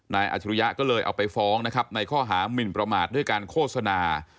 นายอธิริยะก็เลยเอาไปฟ้องในข้อหามิลประมาทด้วยการโฆษณา